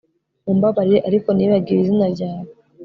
Mumbabarire ariko nibagiwe izina ryawe